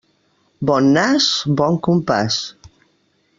Bon nas, bon compàs.